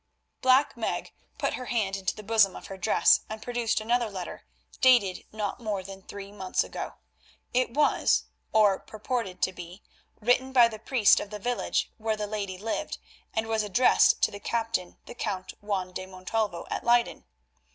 Black Meg put her hand into the bosom of her dress and produced another letter dated not more than three months ago. It was, or purported to be, written by the priest of the village where the lady lived, and was addressed to the Captain the Count Juan de Montalvo at Leyden.